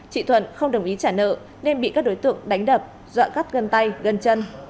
chị thuận không đồng ý trả nợ nên bị các đối tượng đánh đập dọa cắt gân tay gần chân